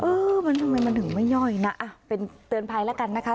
เออมันทำไมมันถึงไม่ย่อยนะเป็นเตือนภัยแล้วกันนะคะ